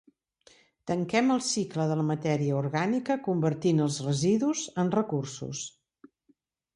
Tanquem el cicle de la matèria orgànica convertint els residus en recursos.